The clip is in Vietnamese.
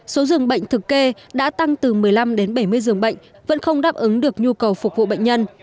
số dường bệnh thực kê đã tăng từ một mươi năm đến bảy mươi giường bệnh vẫn không đáp ứng được nhu cầu phục vụ bệnh nhân